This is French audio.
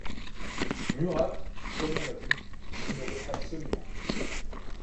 Murat, comme on l'a vu, l'ignorait absolument.